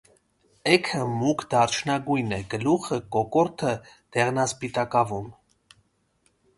Էգը մուգ դարչնագույն է, գլուխը, կոկորդը՝ դեղնասպիտակավուն։